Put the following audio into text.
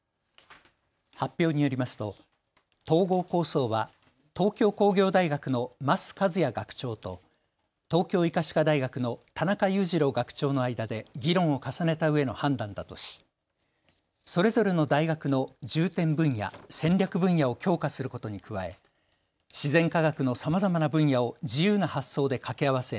発表によりますと統合構想は東京工業大学の益一哉学長と東京医科歯科大学の田中雄二郎学長の間で議論を重ねたうえの判断だとしそれぞれの大学の重点分野・戦略分野を強化することに加え自然科学の様々な分野を自由な発想でかけ合わせ